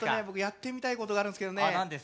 僕やってみたいことがあるんですけどね